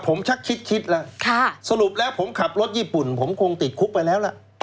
ผมชักคิดแล้วสรุปแล้วผมขับรถญี่ปุ่นผมคงติดคุกไปแล้วล่ะ